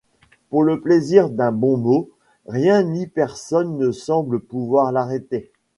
Pour le plaisir d’un bon mot, rien ni personne ne semble pouvoir l’arrêter.